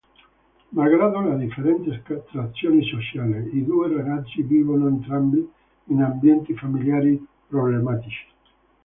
Malgrado la differente estrazione sociale, i due ragazzi vivono entrambi in ambienti familiari problematici.